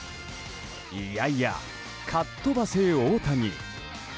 いやいや、かっとばせ大谷。